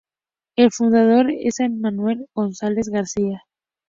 El fundador es san Manuel González García.